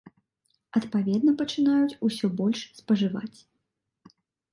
Адпаведна пачынаюць усё больш спажываць.